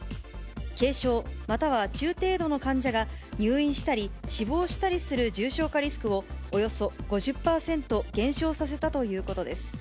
軽症、または中程度の患者が入院したり死亡したりする重症化リスクをおよそ５０％減少させたということです。